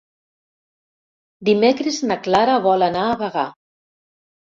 Dimecres na Clara vol anar a Bagà.